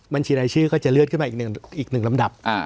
บัญชีรายชื่อก็จะเลื่อนขึ้นมาอีก๑ลำดับ